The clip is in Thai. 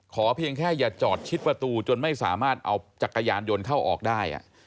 เพียงแค่อย่าจอดชิดประตูจนไม่สามารถเอาจักรยานยนต์เข้าออกได้